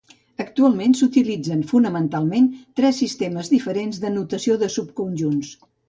Actualment s'utilitzen fonamentalment tres sistemes diferents de notació pels subconjunts.